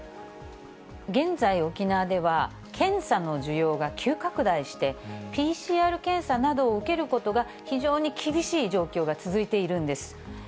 現在、沖縄では、検査の需要が急拡大して、ＰＣＲ検査などを受けることが、非常に厳しい状況が続いているんです。